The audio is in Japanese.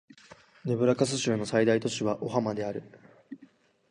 ネブラスカ州の最大都市はオマハである